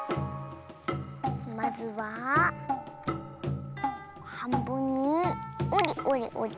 まずははんぶんにおりおりおり。